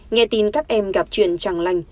nghe tin các em gặp truyền tràng lành